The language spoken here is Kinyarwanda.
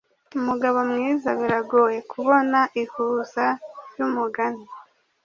umugabo mwiza biragoye kubona ihuza ryumugani